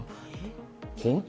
本当？